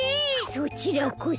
そちらこそ。